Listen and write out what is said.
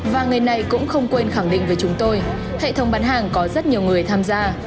và người này cũng không quên khẳng định với chúng tôi hệ thống bán hàng có rất nhiều người tham gia